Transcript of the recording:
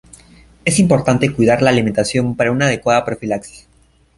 Es importante cuidar la alimentación para una adecuada profilaxis.